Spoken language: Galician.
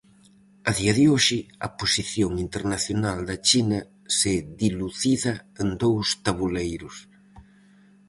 A día de hoxe, a posición internacional da China se dilucida en dous taboleiros.